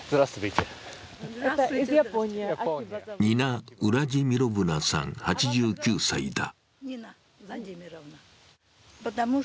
ニナ・ウラジミロブナさん８９歳だ。